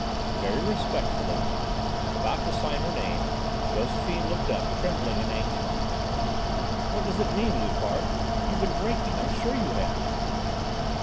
"Very respectfully," About to sign her name, Josephine looked up, trembling and anxious. "What does it mean, Loupart? You've been drinking, I'm sure you have!"